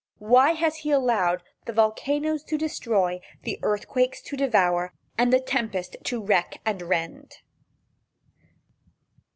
Why has he allowed the volcanoes to destroy, the earthquakes to devour, and the tempest to wreck and rend?